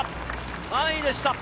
３位でした。